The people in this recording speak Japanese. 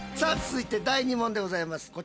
続いて第２問でございます。